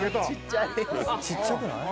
ちっちゃくない？